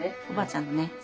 おばあちゃんのね